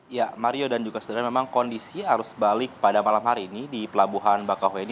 ya mario dan juga sederhana memang kondisi arus balik pada malam hari ini di pelabuhan bakauheni